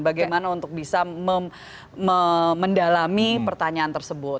bagaimana untuk bisa mendalami pertanyaan tersebut